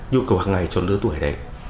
nhu cầu hàng ngày cho đứa tuổi đấy